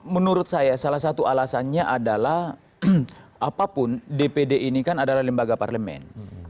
menurut saya salah satu alasannya adalah apapun dpd ini kan adalah lembaga parlemen